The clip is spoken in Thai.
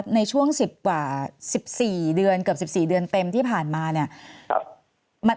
ในช่วง๑๐กว่า๑๔เดือนเกือบ๑๔เดือนเต็มที่ผ่านมาเนี่ย